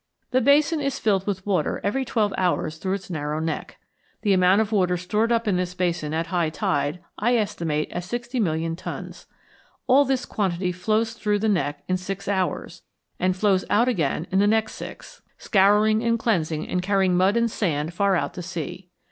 The basin is filled with water every twelve hours through its narrow neck. The amount of water stored up in this basin at high tide I estimate as 600 million tons. All this quantity flows through the neck in six hours, and flows out again in the next six, scouring and cleansing and carrying mud and sand far out to sea.